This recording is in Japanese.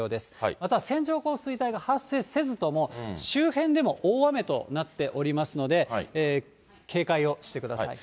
また線状降水帯が発生せずとも、周辺でも大雨となっておりますので、警戒をしてください。